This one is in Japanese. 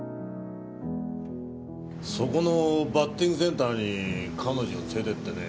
そこのバッティングセンターに彼女を連れてってね。